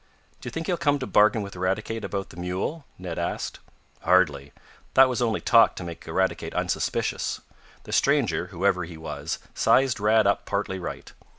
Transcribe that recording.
"Do you think he'll come to bargain with Eradicate about the mule?" Ned asked. "Hardly. That was only talk to make Eradicate unsuspicious. The stranger, whoever he was, sized Rad up partly right.